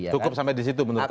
cukup sampai di situ menurut anda